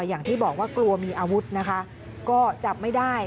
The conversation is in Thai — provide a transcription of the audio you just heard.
อย่างที่บอกว่ากลัวมีอาวุธนะคะก็จับไม่ได้